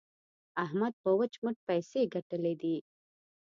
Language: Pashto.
احمد په وچ مټ پيسې ګټلې دي.